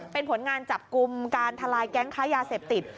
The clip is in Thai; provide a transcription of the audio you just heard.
เป็นผลงานจับกลุ่มการทลายแก๊งค้ายาเสพติด